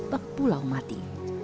bek pulau mati